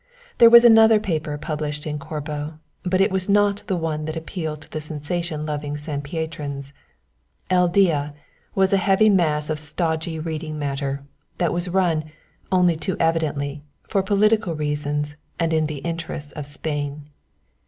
There was another paper published in Corbo, but it was not one that appealed to the sensation loving San Pietrians. El Dia was a heavy mass of stodgy reading matter, that was run, only too evidently, for political reasons and in the interests of Spain.